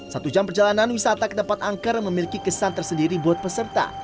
satu jam perjalanan wisata ke tempat angker memiliki kesan tersendiri buat peserta